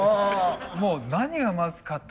もう何がまずかったか。